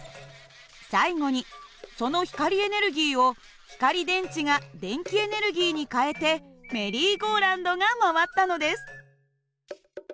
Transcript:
最後にその光エネルギーを光電池が電気エネルギーに変えてメリーゴーラウンドが回ったのです。